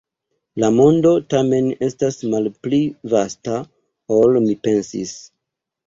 La mondo, tamen, estas malpli vasta, ol mi pensis.